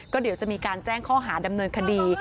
ก็เดี๋ยวจะมีการแจ้งข้อหาดำเนินคดี